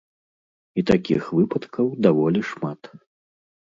І такіх выпадкаў даволі шмат.